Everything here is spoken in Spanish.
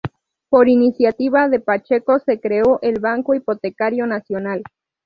Por iniciativa de Pacheco se creó el Banco Hipotecario Nacional.